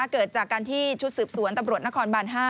เกิดจากการที่ชุดสืบสวนตำรวจนครบาน๕